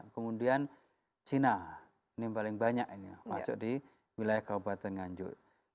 kemudian china ini yang paling banyak ini masuk di wilayah kabupaten nganjung